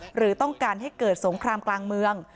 หรือต้องการให้เกิดสงครามกลางเมือง